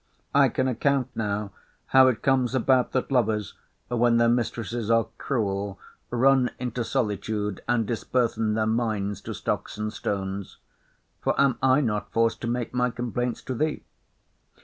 I can account now how it comes about that lovers, when their mistresses are cruel, run into solitude, and disburthen their minds to stocks and stones: For am I not forced to make my complaints to thee?